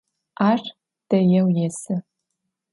Ar deêu yêsı.